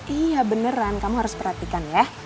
iya beneran kamu harus perhatikan ya